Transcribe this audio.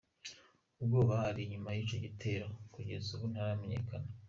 Uwoba ari inyuma y'ico gitero kugez'ubu ntaramenyekana.